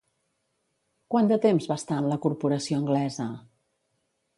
Quant de temps va estar en la corporació anglesa?